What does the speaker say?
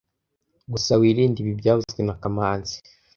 Gusa wirinde ibi byavuzwe na kamanzi